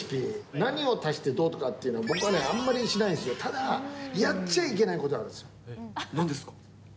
何を足してどうとかっていうのは、僕はあんまりね、しないんですよ、ただ、やっちゃなんですか？